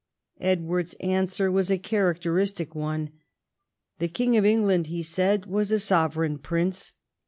Edward's answer was a characteristic one. The king of England, he said, was a sovereign prince.